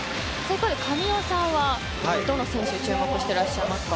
神尾さんはどの選手に注目していますか。